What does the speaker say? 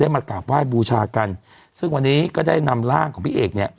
มากราบไหว้บูชากันซึ่งวันนี้ก็ได้นำร่างของพี่เอกเนี่ย